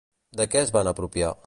De què es van apropiar?